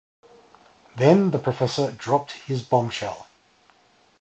Then the professor dropped his bombshell.